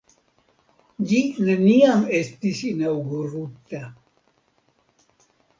Ĝi neniam estis inaŭgurita.